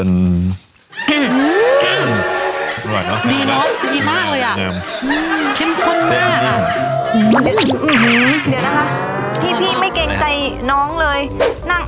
นี่นี้น้ำข้นตองอร่อยมาก